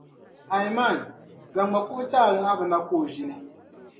Aiman, zaŋmi kuɣu ti a ŋahiba na ka o ʒini.